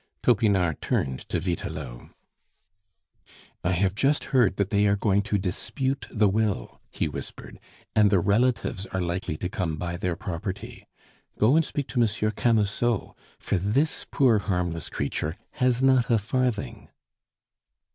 Topinard turned to Vitelot. "I have just heard that they are going to dispute the will," he whispered, "and the relatives are likely to come by their property. Go and speak to M. Camusot, for this poor, harmless creature has not a farthing."